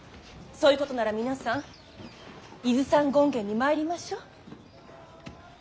そういうことなら皆さん伊豆山権現に参りましょう。